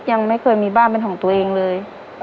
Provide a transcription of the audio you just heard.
ยังไม่เคยมีบ้านเป็นของตัวเองเลย